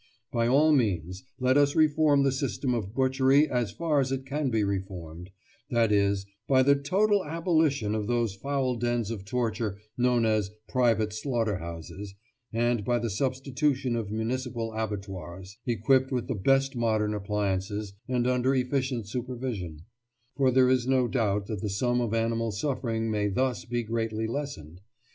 By all means let us reform the system of butchery as far as it can be reformed—that is, by the total abolition of those foul dens of torture known as "private slaughter houses," and by the substitution of municipal abattoirs, equipped with the best modern appliances, and under efficient supervision; for there is no doubt that the sum of animal suffering may thus be greatly lessened.